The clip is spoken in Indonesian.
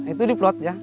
itu diplot ya